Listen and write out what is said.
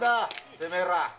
てめえら。